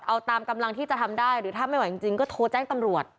เอาตามกำลังที่จะทำได้หรือถ้าไม่ไหวจริงก็โทรแจ้งตำรวจ